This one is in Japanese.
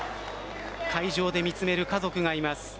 会場で見つめる家族がいます。